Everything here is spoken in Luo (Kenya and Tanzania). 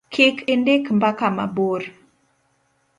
kik indik mbaka mabor